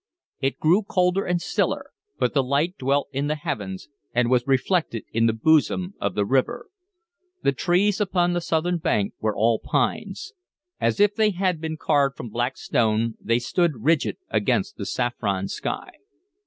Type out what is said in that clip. It grew colder and stiller, but the light dwelt in the heavens, and was reflected in the bosom of the river. The trees upon the southern bank were all pines; as if they had been carved from black stone they stood rigid against the saffron sky.